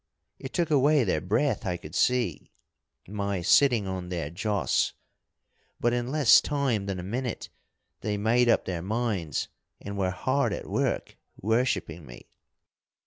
It took away their breath, I could see, my sitting on their joss, but in less time than a minute they made up their minds and were hard at work worshipping me.